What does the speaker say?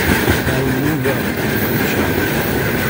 Play New World on groove shark